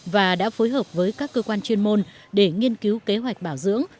và đã phối hợp với các cơ quan chuyên môn để nghiên cứu kế hoạch bảo dưỡng